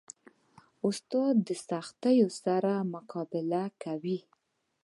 استاد د سختیو سره مقابله کوي.